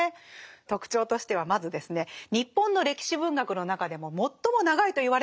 特徴としてはまずですね日本の歴史文学の中でも最も長いといわれるほど長いんですね。